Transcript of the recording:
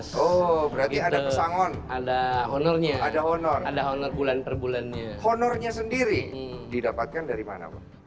honornya sendiri didapatkan dari mana pak